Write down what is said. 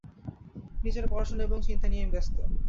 নিজের পড়াশোনা এবং চিন্তা নিয়েই ব্যস্ত।